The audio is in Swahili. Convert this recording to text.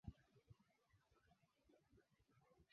au kuteuliwa kabla ya kifo na khalifa wa zamani Lakini kwa kweli